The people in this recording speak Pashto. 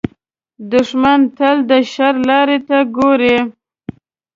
دښمن تل د شر لارې ته ګوري